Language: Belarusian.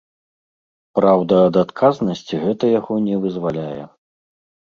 Праўда, ад адказнасці гэта яго не вызваляе.